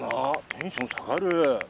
テンション下がる。